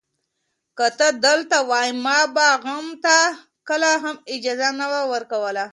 که ته دلته وای، ما به غم ته کله هم اجازه نه ورکوله.